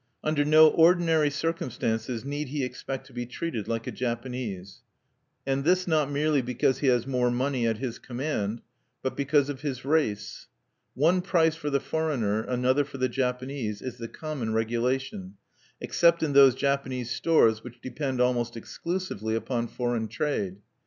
Under no ordinary circumstances need he expect to be treated like a Japanese, and this not merely because he has more money at his command, but because of his race. One price for the foreigner, another for the Japanese, is the common regulation, except in those Japanese stores which depend almost exclusively upon foreign trade.